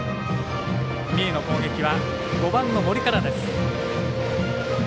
三重の攻撃は５番の森からです。